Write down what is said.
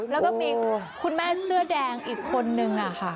แล้วก็มีคุณแม่เสื้อแดงอีกคนนึงค่ะ